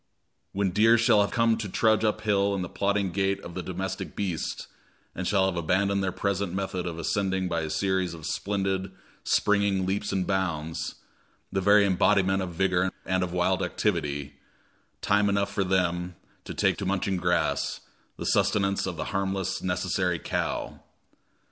When deer shall have come to trudge up hill in the plodding gait of the domestic beasts, and shall have abandoned their present method of ascending by a series of splendid springing leaps and bounds, the very embodiment of vigor and of wild activity, time enough then for them to take to munching grass, the sustenance of the harmless, necessary cow.